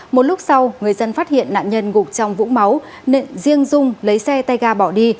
một lúc sau người dân phát hiện nạn nhân gục trong vũng máu nên riêng dung lấy xe tay ga bỏ đi